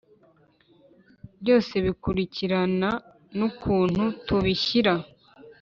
byose bikurikirana nukuntu tubishyira.